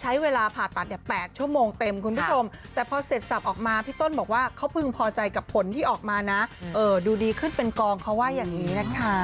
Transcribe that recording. ใช้เวลาผ่าตัด๘ชั่วโมงเต็มคุณผู้ชมแต่พอเสร็จสับออกมาพี่ต้นบอกว่าเขาพึงพอใจกับผลที่ออกมานะดูดีขึ้นเป็นกองเขาว่าอย่างนี้นะคะ